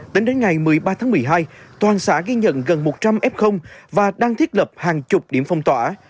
tính đến ngày một mươi ba tháng một mươi hai toàn xã ghi nhận gần một trăm linh f và đang thiết lập hàng chục điểm phong tỏa